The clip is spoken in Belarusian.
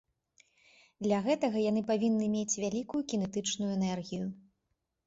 Для гэтага яны павінны мець вялікую кінетычную энергію.